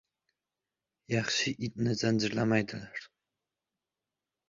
• Yaxshi itni zanjirlamaydilar.